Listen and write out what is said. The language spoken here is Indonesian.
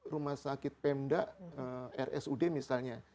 rumah sakit pemda rsud misalnya